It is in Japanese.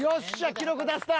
記録出せた！